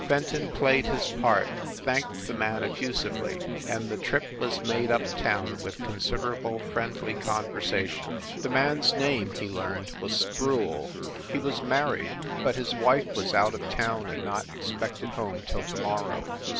Fenton played his part, thanked the man effu sively, and the trip was made up town with consid erable friendly conversation. The man s name, he learned, was Sproule. He was married, but his wife was out of town and not expected home till to morrow.